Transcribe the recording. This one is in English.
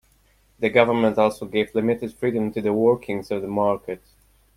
The government also gave limited freedom to the workings of the market.